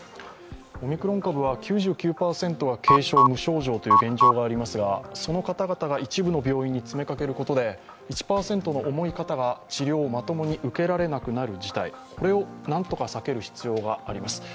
オミクロン株は９９％は軽症、無症状という現状がありますがその方々が一部の病院に詰めかけることで１％の重い方が治療をまともに受けられなくなる事態をなんとか避ける必要があります。